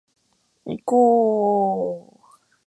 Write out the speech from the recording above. いこーーーーーーぉ